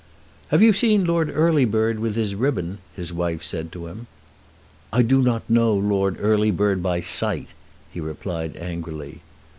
"Have you seen Lord Earlybird with his ribbon?" his wife said to him. "I do not know Lord Earlybird by sight," he replied angrily.